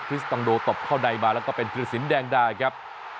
สตองโดตบเข้าในมาแล้วก็เป็นธิรสินแดงดาครับ